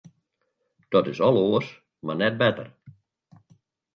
Dat is al oars, mar net better.